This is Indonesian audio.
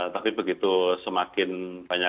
tapi begitu semakin banyak